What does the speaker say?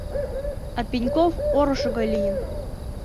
А Пеньков орышо гай лийын.